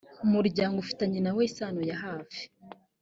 umuryango ufitanye nawe isano ya hafi